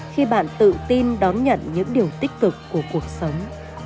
khi bạn tự tin đón nhận những điều tích cực của cuộc sống